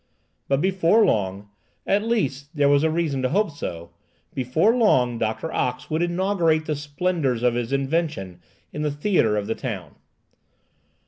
But before long,—at least there was reason to hope so,—before long Doctor Ox would inaugurate the splendours of his invention in the theatre of the town.